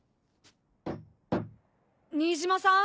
新島さん？